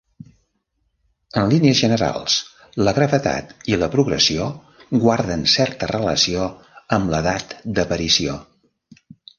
En línies generals, la gravetat i la progressió guarden certa relació amb l'edat d'aparició.